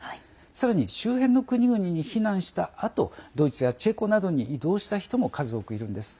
さらに周辺の国々に避難したあとドイツやチェコなどに移動した人も数多くいるんです。